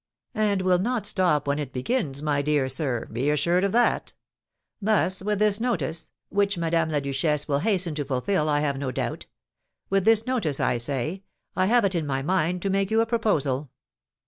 "And will not stop when it begins, my dear sir, be assured of that. Thus, with this notice (which Madame la Duchesse will hasten to fulfil, I have no doubt) with this notice, I say, I have it in my mind to make you a proposal."